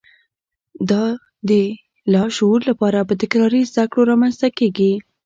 دا د لاشعور لپاره په تکراري زده کړو رامنځته کېږي